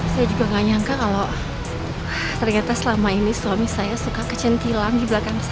saya juga gak nyangka kalau ternyata selama ini suami saya suka kecentilan di belakang saya